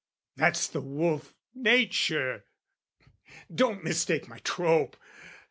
That's the wolf nature. Don't mistake my trope!